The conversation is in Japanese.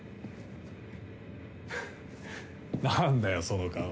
なんだよその顔。